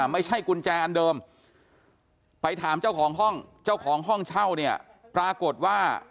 ไม่ใช่กุญแจอันเดิมไปถามเจ้าของห้องเจ้าของห้องเช่าเนี่ยปรากฏว่า